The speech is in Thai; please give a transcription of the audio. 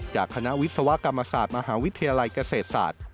จากคณะวิศวกรรมศาสตร์มหาวิทยาลัยเกษตรศาสตร์